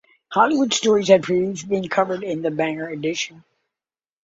Holywood stories had previously been covered in the Bangor edition.